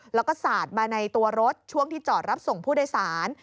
แล้วก็สาดมาในตัวรถช่วงที่จอดรับส่งผู้โดยสาร